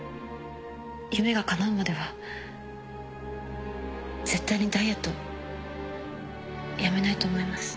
夢がかなうまでは絶対にダイエットやめないと思います。